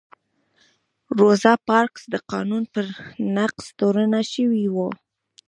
روزا پارکس د قانون پر نقض تورنه شوې وه.